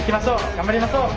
頑張りましょう！